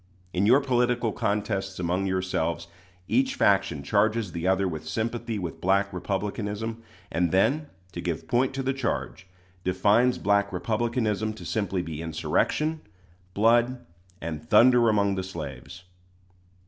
In your political contests among yourselves, each faction charges the other with sympathy with Black Republicanism; and then, to give point to the charge, defines Black Republicanism to simply be insurrection, blood, and thunder among the slaves.